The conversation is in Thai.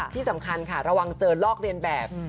ที่สำคัญค่ะระวังเจอลอกเรียนแบบ